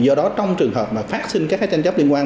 do đó trong trường hợp mà phát sinh các tranh chấp liên quan